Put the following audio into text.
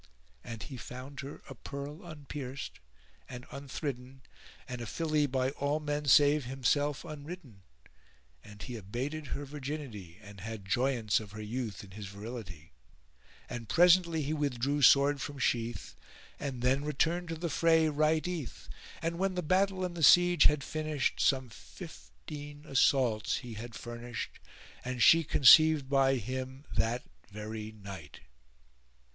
And he found her a pearl unpierced and unthridden and a filly by all men save himself unridden; and he abated her virginity and had joyance of her youth in his virility and presently he withdrew sword from sheath; and then returned to the fray right eath; and when the battle and the siege had finished, some fifteen assaults he had furnished and she conceived by him that very night.